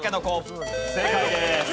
正解です。